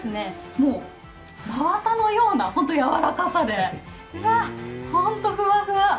もう真綿のようなやわらかさで本当にふわふわ。